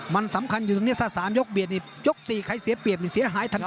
มันสำคัญอยู่ตรงนี้ถ้า๓ยกเบียดนี่ยก๔ใครเสียเปรียบนี่เสียหายทันที